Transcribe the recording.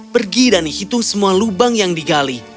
pergi dan hitung semua lubang yang digali